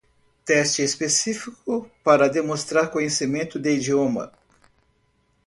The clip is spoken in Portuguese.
Teste específico para demonstrar conhecimento de idioma.